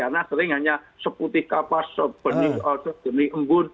maka sebaiknya menggunakan media sosial bagaimana ustadz sendiri ini